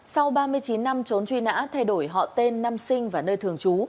sau ba mươi chín năm trốn truy nã thay đổi họ tên năm sinh và nơi thường trú